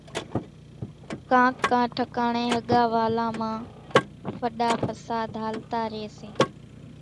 ڪانڪ ڪان ٺڪاڻين ۿڳان والان مان ڦڏا ڦساۮ هالتا ريئيَ سي۔